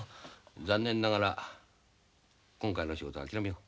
残念ながら今回の仕事は諦めよう。